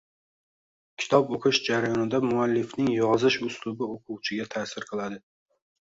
Kitob o‘qish jarayonida muallifning yozish uslubi o‘quvchiga ta’sir qiladi.